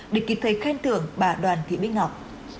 để kịp thời khen thưởng bà đoàn thị bích ngọc